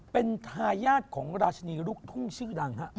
เป็นทายาทของราชนีลูกทุ่งชื่อดังฮะ